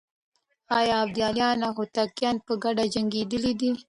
آيا ابداليان او هوتکان په ګډه جنګېدلي دي؟